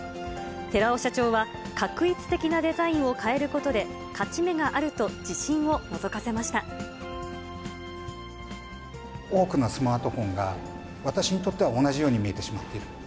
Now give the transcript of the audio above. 寺尾社長は画一的なデザインを変えることで勝ち目があると自信を多くのスマートフォンが、私にとっては同じように見えてしまっている。